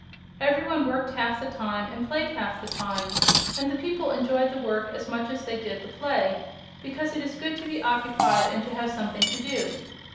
Every one worked half the time and played half the time, and the people enjoyed the work as much as they did the play, because it is good to be occupied and to have something to do.